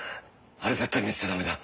あれ絶対見せちゃダメだ。